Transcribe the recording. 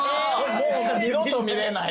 二度と見れない。